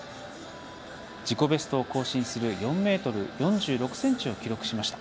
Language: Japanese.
自己ベストを更新する４ｍ４６ｃｍを記録しました。